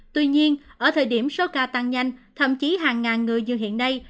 tuy nhiên ở thời điểm số ca tăng nhanh thậm chí hàng ngàn người như hiện nay